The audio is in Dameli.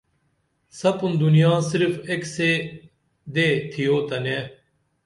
سپُن دینا صرف ایک سے دئی تِھیو تنے